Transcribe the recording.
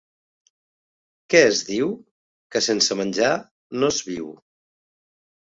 Què es diu? —Que sense menjar no es viu.